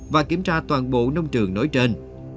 và kiểm tra toàn bộ nông trường nối trên